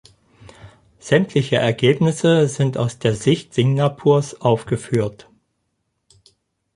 Sämtliche Ergebnisse sind aus der Sicht Singapurs aufgeführt.